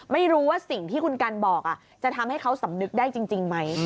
ไม่รู้ว่าสิ่งที่คุณกันบอกจะทำให้เขาสำนึกได้จริงไหม